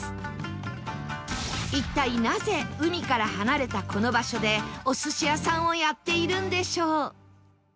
一体なぜ海から離れたこの場所でお寿司屋さんをやっているんでしょう？